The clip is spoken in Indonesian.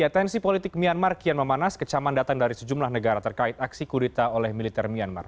tensi politik myanmar kian memanas kecaman datang dari sejumlah negara terkait aksi kurita oleh militer myanmar